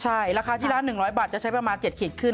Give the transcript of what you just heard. ใช่ราคาที่ละ๑๐๐บาทจะใช้ประมาณ๗ขีดขึ้น